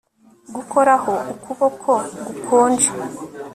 Gukoraho ukuboko gukonje